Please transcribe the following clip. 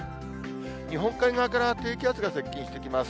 日本海側から低気圧が接近してきます。